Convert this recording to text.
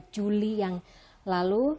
dua juli yang lalu